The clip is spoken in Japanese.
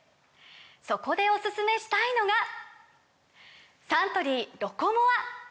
そこでおすすめしたいのがサントリー「ロコモア」！